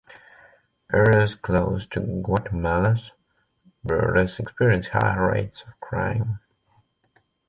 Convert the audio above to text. Areas close to Guatemalan borders experience high rates of crime.